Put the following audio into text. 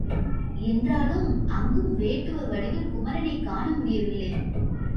என்றாலும் அங்கும் வேட்டுவ வடிவில் குமரனைக் காண முடியவில்லை.